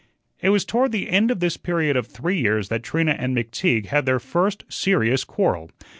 It was toward the end of this period of three years that Trina and McTeague had their first serious quarrel.